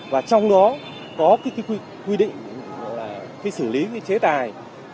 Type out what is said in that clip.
và trong đó có quy định xử lý chế tài